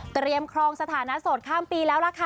ครองสถานะโสดข้ามปีแล้วล่ะค่ะ